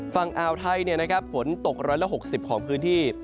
ฝั่งอาวไทยฝนตกร้อยละ๖๐ของพื้นที่